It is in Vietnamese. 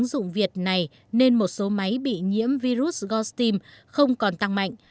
trong việc này nên một số máy bị nhiễm virus gosteam không còn tăng mạnh